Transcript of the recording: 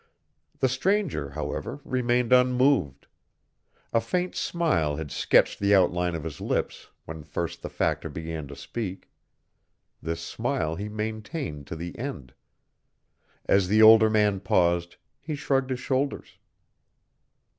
The stranger, however, remained unmoved. A faint smile had sketched the outline of his lips when first the Factor began to speak. This smile he maintained to the end. As the older man paused, he shrugged his shoulders.